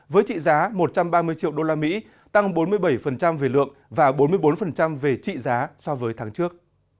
với trị giá một trăm ba mươi triệu usd tăng bốn mươi bảy về lượng và bốn mươi bốn về trị giá so với tháng trước